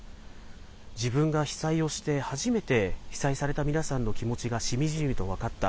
自分が被災をして初めて被災された皆さんの気持ちがしみじみと分かった。